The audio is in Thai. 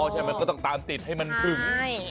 ใช่มันก็ต้องตามติดให้มันถึง